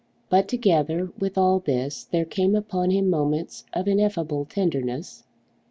But together with all this there came upon him moments of ineffable tenderness.